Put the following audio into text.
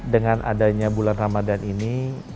dengan adanya bulan ramadan ini